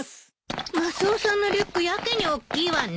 マスオさんのリュックやけにおっきいわね。